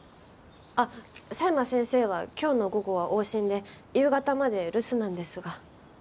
あっ佐山先生は今日の午後は往診で夕方まで留守なんですが。